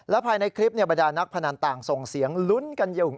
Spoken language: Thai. ภายในคลิปบรรดานักพนันต่างส่งเสียงลุ้นกันอยู่